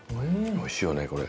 おいしいよねこれ。